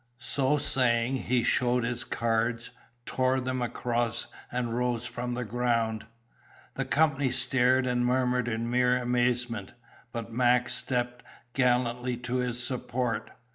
So saying, he showed his cards, tore them across, and rose from the ground. The company stared and murmured in mere amazement; but Mac stepped gallantly to his support.